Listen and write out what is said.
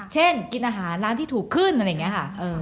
เช่นกินอาหารร้านที่ถูกขึ้นอะไรอย่างนี้ค่ะ